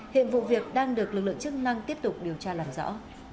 hiện vụ việc đang được lực lượng chức năng tiếp tục điều tra làm rõ